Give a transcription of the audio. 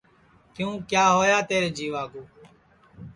کیوں کیا ہوا تیرے جیوا کُو